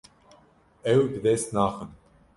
Ew bi dest naxin.